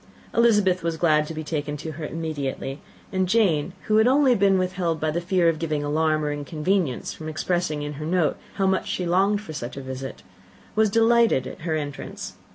Elizabeth was glad to be taken to her immediately; and Jane, who had only been withheld by the fear of giving alarm or inconvenience, from expressing in her note how much she longed for such a visit, was delighted at her entrance.